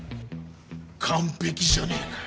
完璧じゃねえか。